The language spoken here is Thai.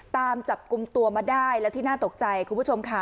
ตามจับกลุ่มตัวมาได้และที่น่าตกใจคุณผู้ชมค่ะ